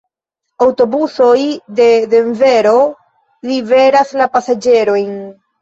Aŭtobusoj de Denvero liveras la pasaĝerojn.